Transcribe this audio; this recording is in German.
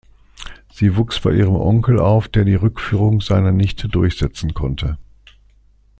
Sie wuchs bei ihrem Onkel auf, der die Rückführung seiner Nichte durchsetzen konnte.